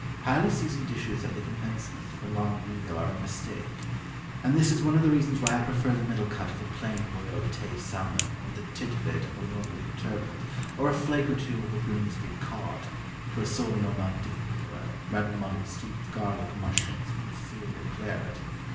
Highly seasoned dishes at the commencement of a long meal are a mistake; and this is one of the reasons why I prefer the middle cut of a plain boiled Tay salmon, or the tit bit of a lordly turbot, or a flake or two of a Grimsby cod, to a sole Normande, or a red mullet stewed with garlic, mushrooms, and inferior claret.